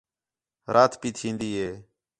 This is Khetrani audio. رات پئی تھین٘دی ہے